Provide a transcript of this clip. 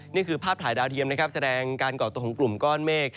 นี่คือภาพถ่ายดาวเทียมแสดงการกอดตรงกลุ่มก้อนเมฆ